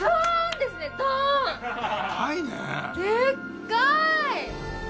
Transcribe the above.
でっかい！